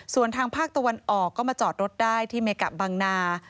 ส่วนทางภาคตะวันออกก็มาจอดรถได้ที่เมกะบังนา